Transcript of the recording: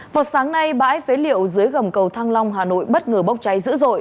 vào sáng nay bãi phế liệu dưới gầm cầu thăng long hà nội bất ngờ bốc cháy dữ dội